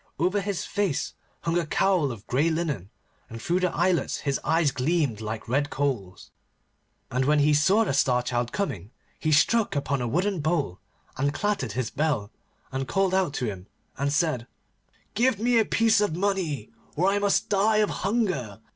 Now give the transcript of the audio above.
Over his face hung a cowl of grey linen, and through the eyelets his eyes gleamed like red coals. And when he saw the Star Child coming, he struck upon a wooden bowl, and clattered his bell, and called out to him, and said, 'Give me a piece of money, or I must die of hunger.